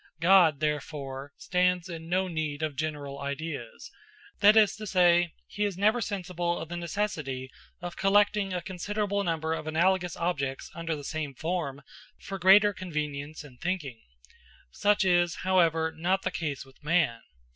God, therefore, stands in no need of general ideas; that is to say, he is never sensible of the necessity of collecting a considerable number of analogous objects under the same form for greater convenience in thinking. Such is, however, not the case with man.